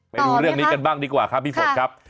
ไปดูเรื่องนี้กันบ้างดีกว่าครับพี่ฝนครับ